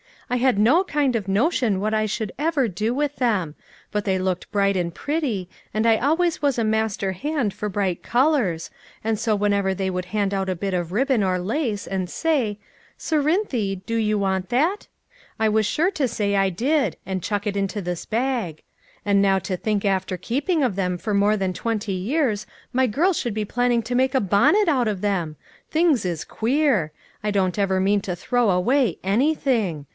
I had no kind of notion what I should ever do with them ; but they looked bright and pretty, and I always was a master hand for bright colors, and so whenever they would hand out a bit of ribbon or lace, and say, * Cerinthy, do you want that?' I was sure to say I did ; and chuck it into this bag ; and now to think after keeping of them for more than twenty years, my girl should be planning to make a bon net out of them ! Things is queer ! I don't ever mean to throw away anything.